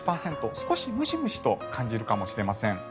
少しムシムシと感じるかもしれません。